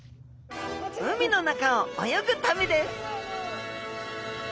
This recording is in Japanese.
海の中を泳ぐためです！